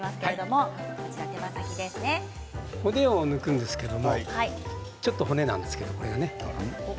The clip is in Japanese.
骨を抜くんですけれどもちょっとこれが骨なんですけれどね。